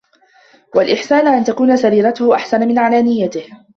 وَالْإِحْسَانَ أَنْ تَكُونَ سَرِيرَتُهُ أَحْسَنَ مِنْ عَلَانِيَتِهِ